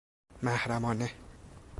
محرمانه